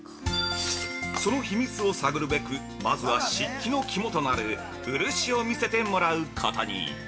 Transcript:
その秘密を探るべくまずは漆器の肝となる漆を見せてもらうことに。